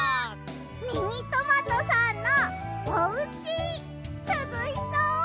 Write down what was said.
ミニトマトさんのおうちすずしそう！